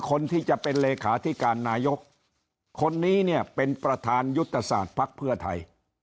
คนที่จะเป็นเลขาธิการนายกคนนี้เนี่ยเป็นประธานยุทธศาสตร์ภักดิ์เพื่อไทย